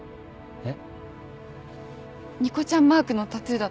えっ？